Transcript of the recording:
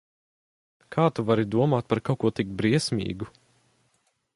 Kā tu vari domāt par kaut ko tik briesmīgu?